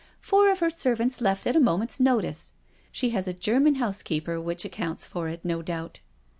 Four of her servants left at a moment's notice. She has a German housekeeper which accounts for it, no doubt.